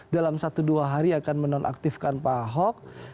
dalam satu dua hari akan menonaktifkan pahok